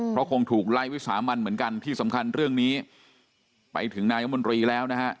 เพราะคงถูกไล่วิสามันเหมือนกันที่สำคัญเรื่องนี้ไปถึงนายมนตรีแล้วนะฮะ